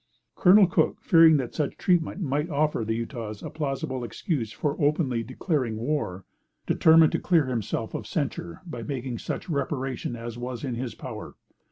Col. Cook, fearing that such treatment might offer the Utahs a plausible excuse for openly declaring war, determined to clear himself of censure by making such reparation as was in his power.